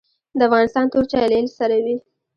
د افغانستان تور چای له هل سره وي